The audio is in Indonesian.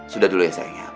sudah dulu ya sayang